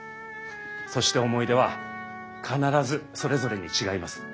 そして思い出は必ずそれぞれに違います。